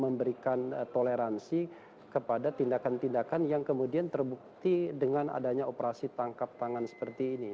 memberikan toleransi kepada tindakan tindakan yang kemudian terbukti dengan adanya operasi tangkap tangan seperti ini